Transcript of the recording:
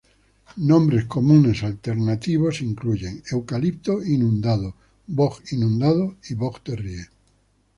Nombres comunes alternativos comunes incluyen eucalipto inundado, boj inundado y boj de río.